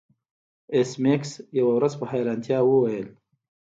ایس میکس یوه ورځ په حیرانتیا وویل